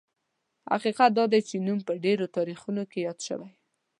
حقیقت دا دی چې نوم په ډېرو تاریخونو کې یاد شوی.